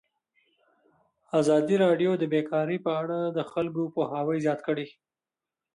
ازادي راډیو د بیکاري په اړه د خلکو پوهاوی زیات کړی.